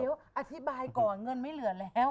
เดี๋ยวอธิบายก่อนเงินไม่เหลือแล้ว